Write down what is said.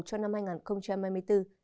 cho năm hai nghìn hai mươi bốn